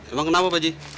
emang kenapa pak haji